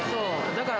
だから。